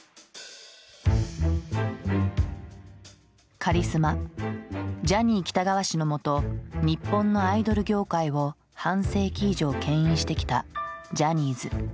カリスマジャニー喜多川氏のもと日本のアイドル業界を半世紀以上けん引してきたジャニーズ。